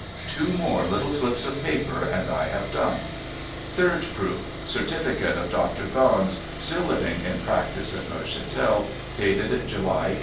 Two more little slips of paper, and I have done. Third proof ! Certificate of Doctor Ganz, still living in practice at Neuchatel, dated July, 1838.